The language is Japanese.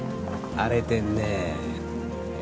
荒れてんねーえ？